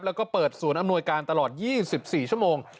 แล้วก็เปิดศูนย์อำนวยการตลอด๒๔ชั่วโมง